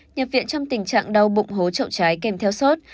nhập viện trong tình trạng đau bụng hố trậu trái kèm theo sốt